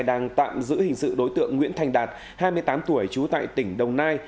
đang tạm giữ hình sự đối tượng nguyễn thành đạt hai mươi tám tuổi trú tại tỉnh đồng nai